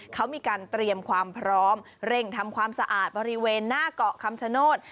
เขามีการเตรียมความพร้อมเร่งทำความสะอาดบริเวณหน้าเกาะคำชโนธ